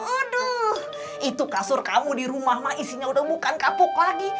aduh itu kasur kamu di rumah mah isinya udah bukan kapok lagi